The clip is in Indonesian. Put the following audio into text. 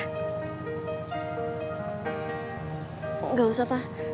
enggak usah pa